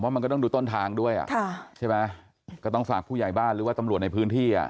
มันก็ต้องดูต้นทางด้วยอ่ะค่ะใช่ไหมก็ต้องฝากผู้ใหญ่บ้านหรือว่าตำรวจในพื้นที่อ่ะ